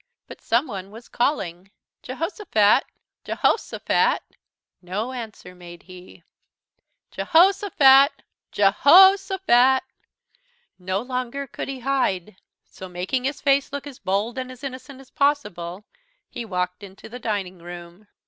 But someone was calling: "Jehosophat Je hos' o phat!" No answer made he. "Jehosophat Je hos' o phat!" No longer could he hide. So, making his face look as bold and as innocent as possible, he walked into the dining room.